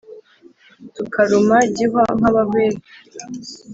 tukaruma gihwa nk'abahwere.